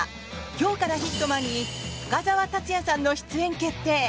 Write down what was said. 「今日からヒットマン」に深澤辰哉さんの出演決定。